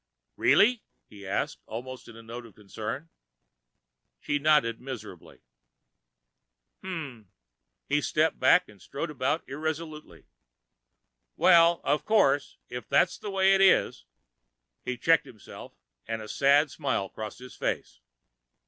"Really?" he asked, almost with a note of concern. She nodded miserably. "Hmm!" He stepped back and strode about irresolutely. "Well, of course, if that's the way it is ..." He checked himself and a sad smile crossed his face.